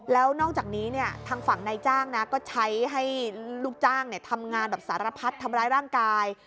แล้วนอกจากนี้เนี่ยทางฝั่งนายจ้างนะก็ใช้ให้ลูกจ้างทำงานแบบสารพัดทำร้ายร่างกาย